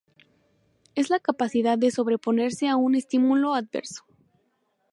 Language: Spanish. Es la capacidad de sobreponerse a un estímulo adverso.